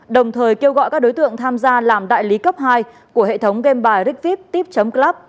đồng thời kêu gọi các đối tượng tham gia làm đại lý cấp hai của hệ thống game bài rigvip tip club